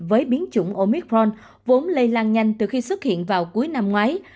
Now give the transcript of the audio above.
với biến chủng omicron vốn lây lan nhanh từ khi xuất hiện vào cuối năm ngoái